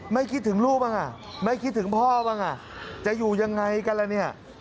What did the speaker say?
ไม่คิดถึงลูกบ้างอ่ะไม่คิดถึงพ่อบ้างอ่ะจะอยู่ยังไงกันล่ะเนี่ย